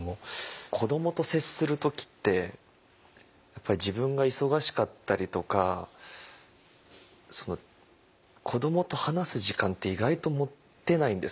子どもと接する時ってやっぱり自分が忙しかったりとか子どもと話す時間って意外と持てないんです私。